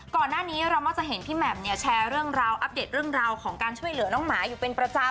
ก่อนหน้านี้เรามักจะเห็นพี่แหม่มเนี่ยแชร์เรื่องราวอัปเดตเรื่องราวของการช่วยเหลือน้องหมาอยู่เป็นประจำ